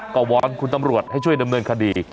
ก็วอนคุณตำรวจให้ช่วยดำเนินคดี